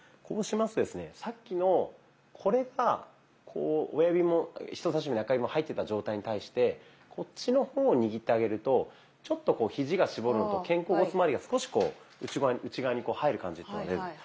こうしますとですねさっきのこれがこう親指も人さし指も中指も入ってた状態に対してこっちの方を握ってあげるとちょっとこうひじが絞るのと肩甲骨まわりが少しこう内側に入る感じっていうのが出る。